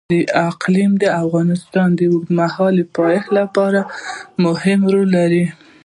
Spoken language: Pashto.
اقلیم د افغانستان د اوږدمهاله پایښت لپاره مهم رول لري.